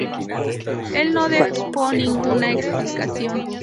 Él no dejó ninguna explicación.